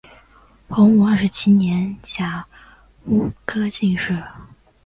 洪武二十七年甲戌科进士。